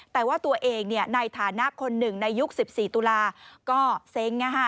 แต่ว่าตัวเองในฐานะคนหนึ่งในยุค๑๔ตุลาก็เซ้ง